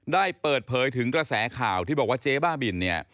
ได้เปิดเผยถึงกระแสข่าวที่บอกว่าเจ๊บ้าบินเนี่ย